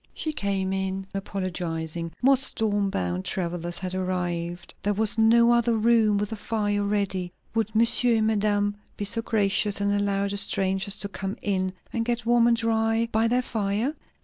She came in apologizing. More storm bound travellers had arrived there was no other room with a fire ready would monsieur and madame be so gracious and allow the strangers to come in and get warm and dry by their fire?